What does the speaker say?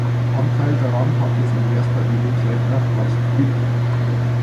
Anteil daran hatte sein erster Übungsleiter Horst Witt.